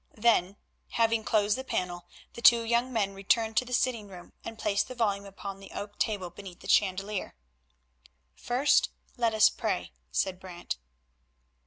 Then, having closed the panel, the two young men returned to the sitting room, and placed the volume upon the oak table beneath the chandelier. "First let us pray," said Brant.